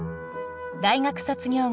大学卒業後